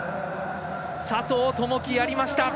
佐藤友祈、やりました。